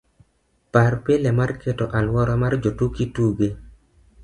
par pile mar keto aluora mar jotuki tuge